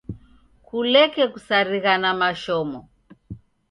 Kuleke kusarigha na mashomo.